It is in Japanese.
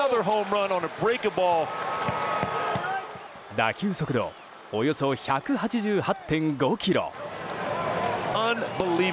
打球速度およそ１８８．５キロ。